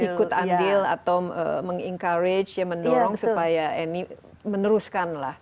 ikut andil atau meng encourage ya mendorong supaya ini meneruskan lah